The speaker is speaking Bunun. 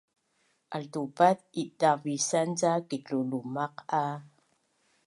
altupat idaqvisan ca kitlulumaq a